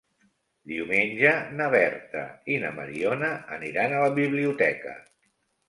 Diumenge na Berta i na Mariona aniran a la biblioteca.